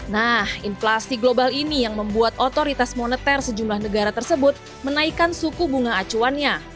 nah inflasi global ini yang membuat otoritas moneter sejumlah negara tersebut menaikkan suku bunga acuannya